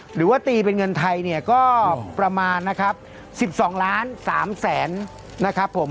หรือว่าตีเป็นเงินไทยเนี่ยก็ประมาณนะครับ๑๒ล้าน๓แสนนะครับผม